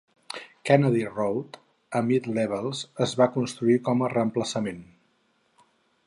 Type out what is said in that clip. Kennedy Road a Mid-Levels es va construir com a reemplaçament.